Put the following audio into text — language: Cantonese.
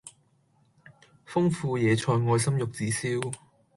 豐富野菜愛心玉子燒